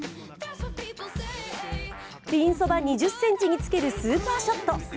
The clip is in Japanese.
ピンそば２０ｃｍにつけるスーパーショット。